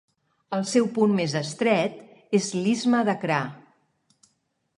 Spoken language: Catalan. El seu punt més estret és l'istme de Kra.